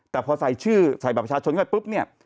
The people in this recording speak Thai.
แต่พอใส่ชื่อใส่แบบประชาชนก็ปุ๊บนี่